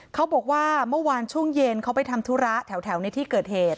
เขาบอกว่าเมื่อวานช่วงเย็นเขาไปทำธุระแถวในที่เกิดเหตุ